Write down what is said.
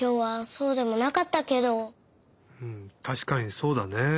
うんたしかにそうだね。